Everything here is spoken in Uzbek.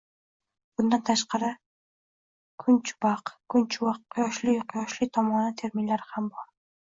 Bundan tashqari, kunchubaq, kunchuvaq - «quyoshli, quyoshli tomoni» terminlari ham bor.